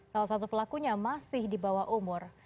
salah satu pelakunya masih dibawa umur